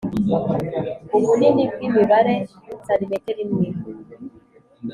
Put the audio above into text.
ubunini bw’imibare cm imwe